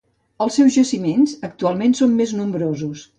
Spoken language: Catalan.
Els seus jaciments, actualment, són més nombrosos.